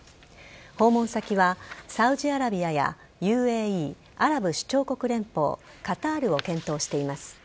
訪問先はサウジアラビアやＵＡＥ＝アラブ首長国連邦カタールを検討しています。